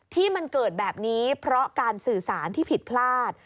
ที่มันเกิดแบบนี้เพราะการสื่อสารที่ผิดพลาด